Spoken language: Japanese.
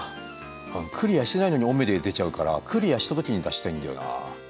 クリアしてないのに「おめでー」出ちゃうからクリアした時に出したいんだよな。